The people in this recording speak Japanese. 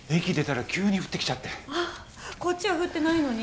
こっちは降ってないのに？